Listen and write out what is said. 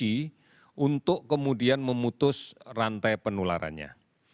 ini adalah satu satunya kunci untuk kemudian memutus rantai penularannya